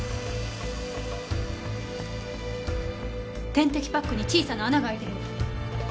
点滴パックに小さな穴が開いてる。